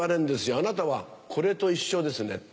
あなたはこれと一緒ですねって。